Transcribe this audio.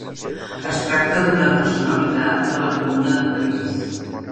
Es tracta d'una personalitat de la Comuna de París.